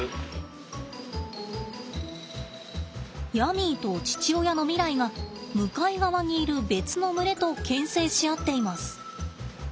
ヤミーと父親のミライが向かい側にいる別の群れとけん制し合っています。